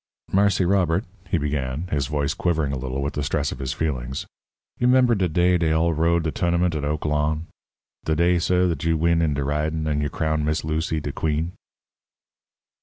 "Marse Robert," he began, his voice quivering a little with the stress of his feelings, "you 'member de day dey all rode de tunnament at Oak Lawn? De day, suh, dat you win in de ridin', and you crown Miss Lucy de queen?"